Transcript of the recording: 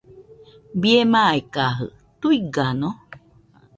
Bie maikajɨ¿tuigano?